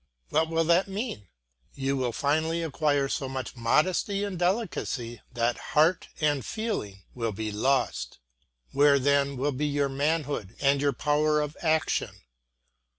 What will that mean? You will finally acquire so much modesty and delicacy that heart and feeling will be lost. Where then will be your manhood and your power of action?